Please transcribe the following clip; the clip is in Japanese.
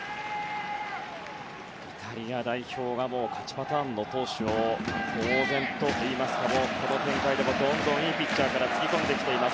イタリア代表が勝ちパターンの投手を当然といいますかこの展開ではどんどんいいピッチャーからつぎ込んでいます